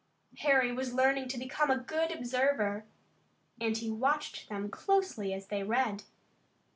Harry was learning to become a good observer, and he watched them closely as they read.